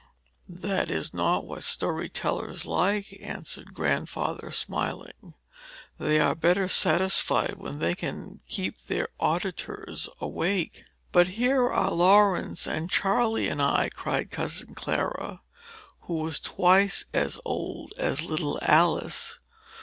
"That is not what story tellers like," answered Grandfather, smiling. "They are better satisfied when they can keep their auditors awake." "But here are Laurence, and Charley, and I," cried cousin Clara, who was twice as old as little Alice.